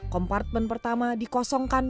kompartmen pertama dikosongkan